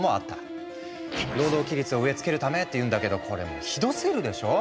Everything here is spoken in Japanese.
労働規律を植え付けるためっていうんだけどこれもひどすぎるでしょ。